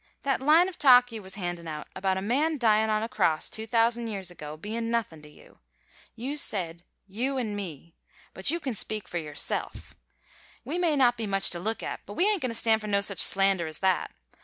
"That line of talk you was handin' out about a man dyin' on a cross two thousand years ago bein' nothin' to you. You said you an' me, but you can speak for yourself. We may not be much to look at, but we ain't goin' to stand for no such slander as that.